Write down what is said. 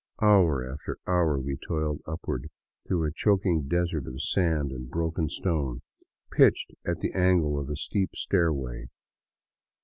Hour after hour we toiled upward through a choking desert of sand and broken stone, pitched at the angle of a steep stairway.